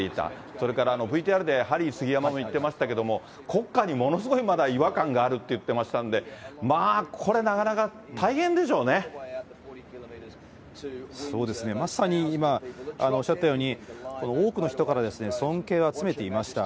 それからＶＴＲでハリー杉山も言ってましたけども、国歌にものすごい、まだ違和感があるって言ってましたんで、まあそうですね、まさに今、おっしゃったように、多くの人から尊敬を集めていました。